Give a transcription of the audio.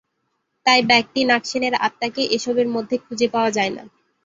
তাই ব্যক্তি নাগসেনের আত্মাকে এসবের মধ্যে খুঁজে পাওয়া যায় না।